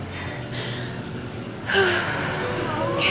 oke yaudah deh relax